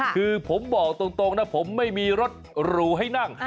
คือผมบอกตรงนะผมไม่มีรถหรูให้นั่ง